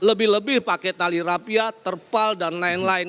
lebih lebih pakai tali rapia terpal dan lain lain